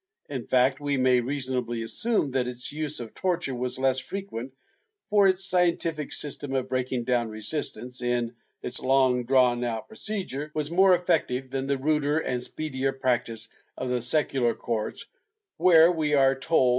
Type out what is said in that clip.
In fact, we may reasonably assume that its use of torture was less frequent, for its scientific system of breaking down resistance, in its long drawn procedure, was more effective than the ruder and speedier practice of the secular courts where, as we are told by ' Partidas, P.